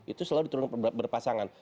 itu selalu diturunkan berpasangan